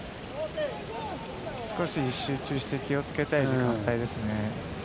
少し集中して気を付けたい時間帯ですね。